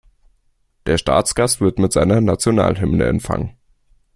Der Staatsgast wird mit seiner Nationalhymne empfangen.